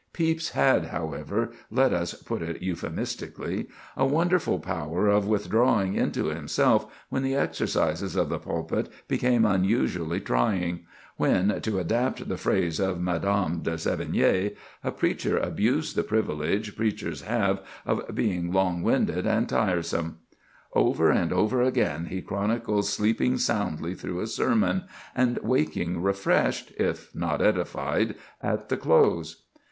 Pepys had, however,—let us put it euphemistically,—a wonderful power of withdrawing into himself, when the exercises of the pulpit became unusually trying—when, to adapt the phrase of Madame de Sévigné, a preacher abused the privilege preachers have of being long winded and tiresome. Over and over again he chronicles sleeping soundly through a sermon, and waking refreshed, if not edified, at the close.